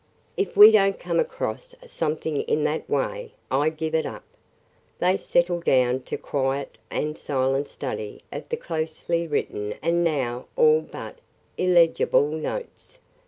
If we don't come across something in that way, I give it up." They settled down to quiet and silent study of the closely written and now all but illegible notes.